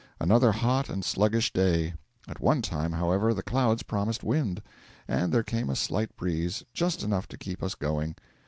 Another hot and sluggish day; at one time, however, the clouds promised wind, and there came a slight breeze just enough to keep us going.